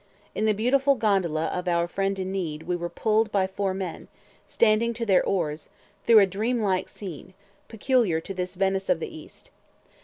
In the beautiful gondola of our "friend in need" we were pulled by four men, standing to their oars, through a dream like scene, peculiar to this Venice of the East.